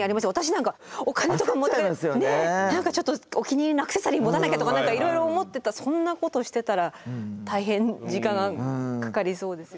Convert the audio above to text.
何かちょっとお気に入りのアクセサリー持たなきゃとかいろいろ思ってたそんなことしてたら大変時間がかかりそうです。